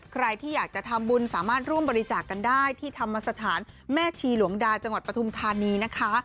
ใครที่อยากจะทำบุญสามารถร่วมบริจาคกันได้ที่ธรรมสถานแม่ชีหลวงดาจังหวัดปฐุมธานีนะคะ